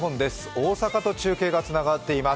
大阪と中継がつながっています。